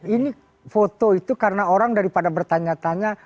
ini foto itu karena orang daripada bertanya tanya